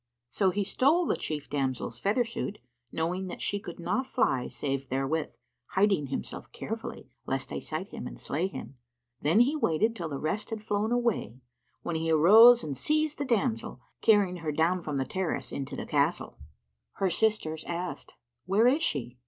So he stole the chief damsel's feather suit, knowing that she could not fly save therewith, hiding himself carefully lest they sight him and slay him. Then he waited till the rest had flown away, when he arose and seizing the damsel, carried her down from the terrace into the castle." Her sisters asked, "Where is she?"